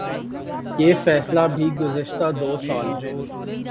یہ فیصلہ بھی گزشتہ دو سال میں